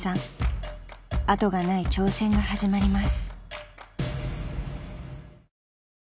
［後がない挑戦が始まります］